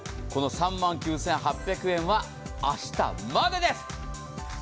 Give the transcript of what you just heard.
３万９８００円は明日までです。